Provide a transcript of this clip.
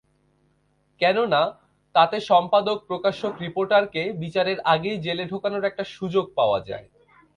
কেননা, তাতে সম্পাদক-প্রকাশক-রিপোর্টারকে বিচারের আগেই জেলে ঢোকানোর একটা সুযোগ পাওয়া যায়।